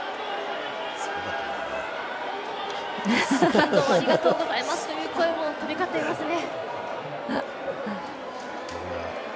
感動をありがとうございますという声も飛び交っていますね。